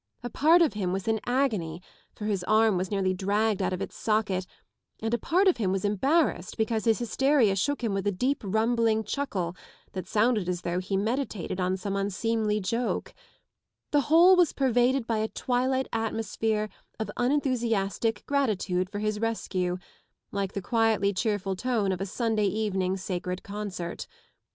A part of him was in agony, for his arm was nearly dragged out of its socket and a part of him was embarrassed because his hysteria shook him with a deep rumbling chuckle that sounded as though he meditated on some unseemly joke ; the whole was pervaded by a twilight atmosphere of unenthusiastic gratitude for his rescue, like the quietly cheerful tone of a Sunday evening sacred/ concert.